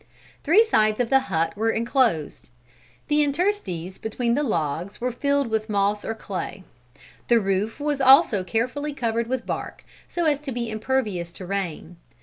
Three sides of the hut were enclosed. The interstices between the logs were filled with moss or clay. The roof was also carefully covered with bark, so as to be impervious to rain.